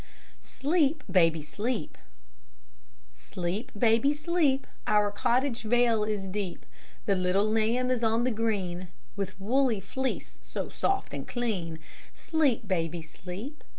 SLEEP, BABY, SLEEP Sleep, baby, sleep, Our cottage vale is deep: The little lamb is on the green, With woolly fleece so soft and clean Sleep, baby, sleep.